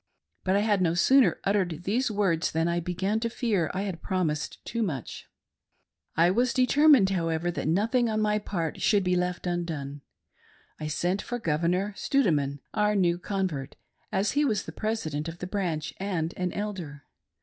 But I had no sooner "uttered these words than I began to fear I had promised too much. I determined, however, that nothing on my part should be left undone. I sent for Governor Stoudeman — our new con vert— as he was the President of the branch and an Elder.